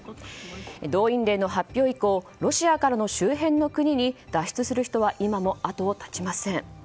動員令の発表以降ロシアから周辺の国に脱出する人は今も後を絶ちません。